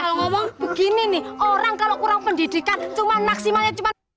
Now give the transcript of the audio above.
kalau ngomong begini nih orang kalau kurang pendidikan cuma maksimalnya cuma